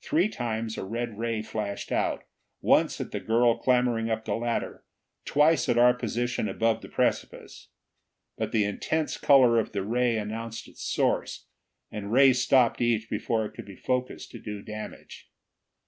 Three times a red ray flashed out, once at the girl clambering up the ladder, twice at our position above the precipice. But the intense color of the ray announced its source, and Ray stopped each before it could be focussed to do damage.